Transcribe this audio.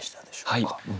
はい。